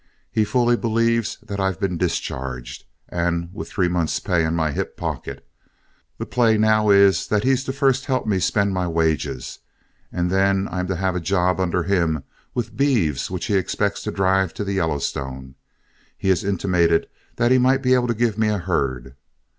He fully believes that I've been discharged and with three months' pay in my hip pocket. The play now is that he's to first help me spend my wages, and then I'm to have a job under him with beeves which he expects to drive to the Yellowstone. He has intimated that he might be able to give me a herd.